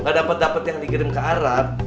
gak dapat dapat yang dikirim ke arab